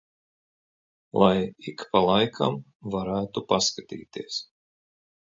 Lai ik pa laikam varētu paskatīties.